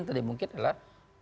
tadi mungkin adalah